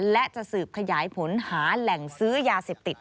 และจะสืบขยายผลหาแหล่งซื้อยาเสพติด